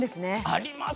あります。